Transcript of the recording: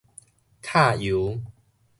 敲油